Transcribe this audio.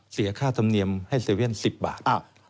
เสียค่าธรรมเนียมให้๗๑๑๑๐บาท